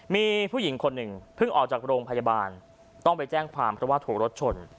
มีผู้หญิงคนหนึ่งเพิ่งออกจากโรงพยาบาลต้องไปแจ้งความเพราะว่าถูกรถชน